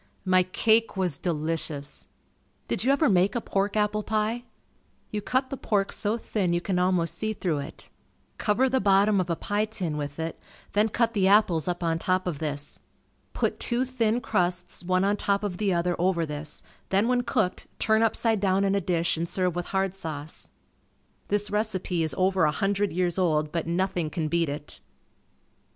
My cake was delicious. Did you ever make a pork apple pie? You cut the pork so thin you can almost see through it. Cover the bottom of a pie tin with it, then cut the apples up on top of this. Put two thin crusts one on top of the other over this, then when cooked, turn upside down in a dish and serve with hard sauce. This recipe is over a hundred years old but nothing can beat it.